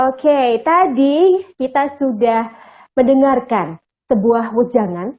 oke tadi kita sudah mendengarkan sebuah ujangan